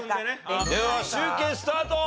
では集計スタート！